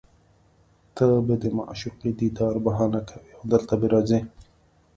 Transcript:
ته به د معشوقې دیدار بهانه کوې او دلته به راځې